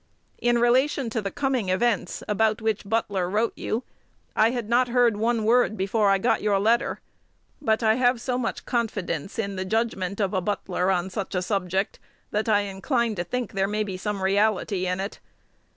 In relation to the "coming events" about which Butler wrote you, I had not heard one word before I got your letter; but I have so much confidence in the judgment of a Butler on such a subject, that I incline to think there may be some reality in it.